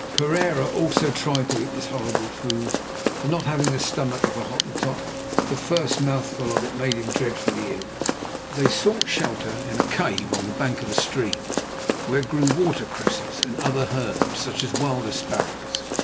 Pereira also tried to eat this horrible food, but, not having the stomach of a Hottentot, the first mouthful of it made him dreadfully ill. They sought shelter in a cave on the bank of a stream, where grew water cresses and other herbs, such as wild asparagus.